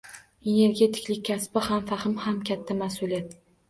Energetiklik kasbi ham faxr, ham katta mas’uliyat